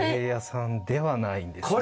轡さん）ではないんですね。